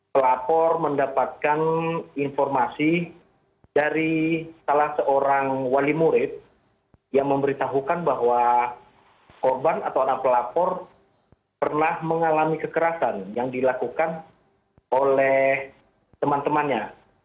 pelapor mendapatkan informasi dari salah seorang wali murid yang memberitahukan bahwa korban atau anak pelapor pernah mengalami kekerasan yang dilakukan oleh teman temannya